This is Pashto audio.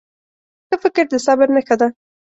ښه فکر د صبر نښه ده.